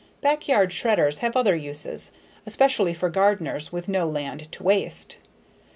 Backyard shredders have other uses, especially for gardeners with no land to waste.